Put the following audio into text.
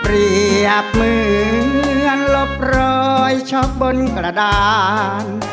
เปรียบมือลบรอยชอบบนกระดาน